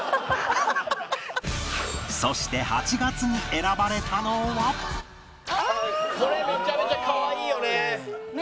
そしてこれめちゃめちゃかわいいよね。